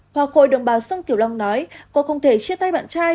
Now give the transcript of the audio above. hoa khôi đồng bào sơn kiểu long nói cô không thể chia tay bạn trai